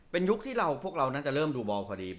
เป็นยุคที่เราพวกเราน่าจะเริ่มดูบอลพอดี